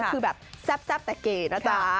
คือแบบแซ่บแต่เก๋นะจ๊ะ